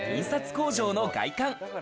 工場の外観。